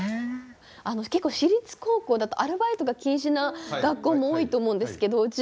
あの結構私立高校だとアルバイトが禁止な学校も多いと思うんですけど。